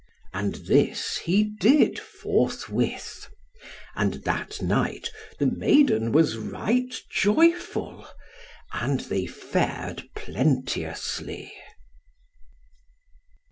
And this he did forthwith. And that night the maiden was right joyful, and they fared plenteously.